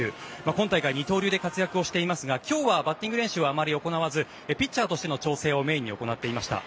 今大会、二刀流で活躍をしていますが今日はバッティング練習はあまり行わずピッチャーとしての調整をメインに行っていました。